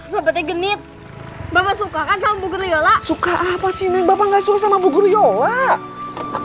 bapaknya genit bapak suka kan sama bu guryola suka apa sih bapak nggak suka sama bu guryola